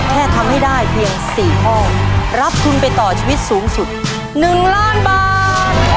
แค่ทำให้ได้เพียง๔ข้อรับทุนไปต่อชีวิตสูงสุด๑ล้านบาท